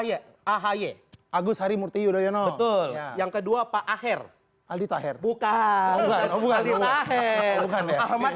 ya ahaye agus hari murtiyu doyono yang kedua pak aher adi taher bukan bukan bukan ahmad